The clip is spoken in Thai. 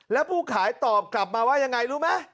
แล้วผู้ขายตอบกลับมาว่ายังไงรู้ไหม